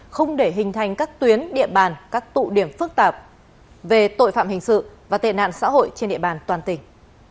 không để hình thành các tuyến địa bàn các tụ điểm phức tạp về tội phạm hình sự và tệ nạn xã hội trên địa bàn toàn tỉnh